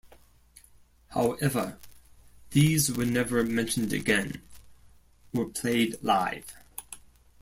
However, these were never mentioned again or played live.